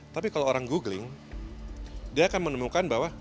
tapi kalau orang googling dia akan menemukan bahwa